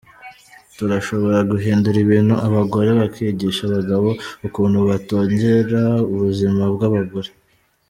Turashobora guhindura ibintu abagore bakigisha abagabo ukuntu botegera ubuzima bw'abagore.